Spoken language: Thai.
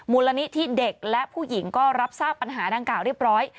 มูลนิธิเด็กและผู้หญิงก็รับทราบปัญหาดังกล่าวเรียบร้อย